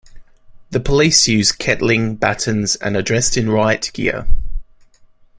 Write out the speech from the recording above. The police use kettling, batons and are dressed in riot gear.